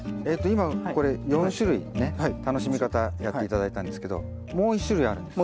今これ４種類ね楽しみ方やって頂いたんですけどもう一種類あるんです。